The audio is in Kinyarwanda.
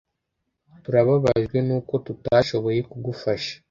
Turababajwe nuko tutashoboye kugufasha.